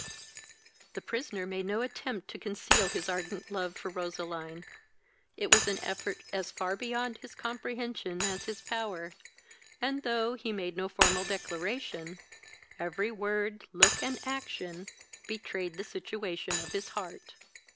The prisoner made no attempt to conceal his ardent love for Roseline: it was an effort as far beyond his comprehension as his power, and, though, he made no formal declaration, every word, look, and action, betrayed the situation of his heart.